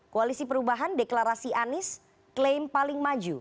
koalisi perubahan deklarasi anies klaim paling maju